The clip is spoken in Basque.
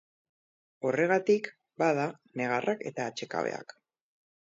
Horregatik, bada, negarrak eta atsekabeak.